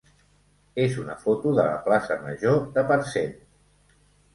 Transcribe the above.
és una foto de la plaça major de Parcent.